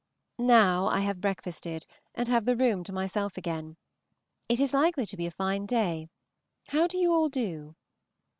Now I have breakfasted and have the room to myself again. It is likely to be a fine day. How do you all do?